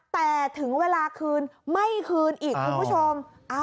แต่ถึงเวลาคืนไม่คืนอีกคุณผู้ชม